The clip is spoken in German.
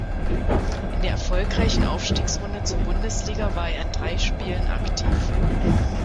In der erfolgreichen Aufstiegsrunde zur Bundesliga war er in drei Spielen aktiv.